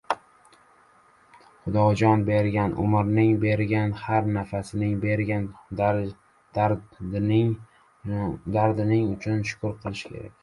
Xudojon, bergan umring, bergan har nafasing, bergan dardginalaring uchun shukr, Xudojon…